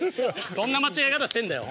どんな間違え方してんだよ。